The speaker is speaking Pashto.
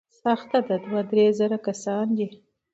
سخته ده، دوه، درې زره کسان دي.